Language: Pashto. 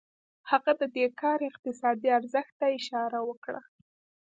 هغه د دې کار اقتصادي ارزښت ته اشاره وکړه